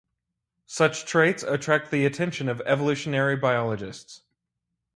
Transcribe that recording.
Such traits attract the attention of evolutionary biologists.